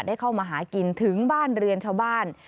ได้เข้ามาหากินถึงบ้านเรือนชาวบ้าน